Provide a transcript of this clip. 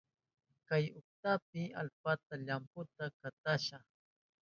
Chay untayshi allpata llamputa katashka.